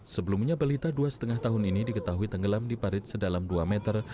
sebelumnya balita dua lima tahun ini diketahui tenggelam di parit sedalam dua meter